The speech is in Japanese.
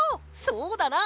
そうだな。